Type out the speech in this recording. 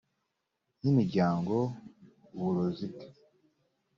n imiryango uburozi bwe